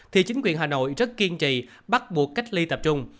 thì chính quyền hà nội rất kiên trì bắt buộc cách ly tập trung